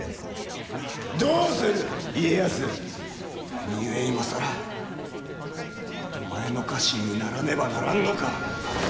何故今更お前の家臣にならねばならんのか！